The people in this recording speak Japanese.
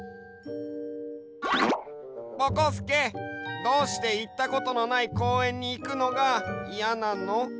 ぼこすけどうしていったことのないこうえんにいくのがいやなの？